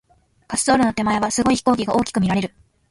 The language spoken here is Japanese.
滑走路の手前は、すごい飛行機が大きく見られる。